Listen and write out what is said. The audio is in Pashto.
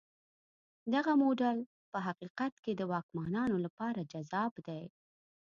دغه موډل په حقیقت کې د واکمنانو لپاره جذاب دی.